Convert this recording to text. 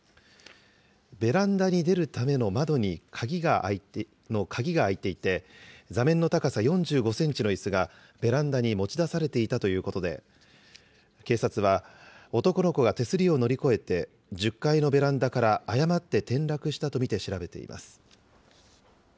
ベランダに出るための窓の鍵が開いていて、座面の高さ４５センチのいすがベランダに持ち出されていたということで、警察は、男の子が手すりを乗り越えて、１０階のベランダから誤って転落したと見て調べています。